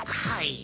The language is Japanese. はい。